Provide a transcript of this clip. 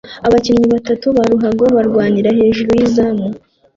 Abakinnyi batatu ba ruhago barwanira hejuru yizamu